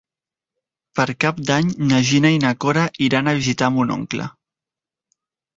Per Cap d'Any na Gina i na Cora iran a visitar mon oncle.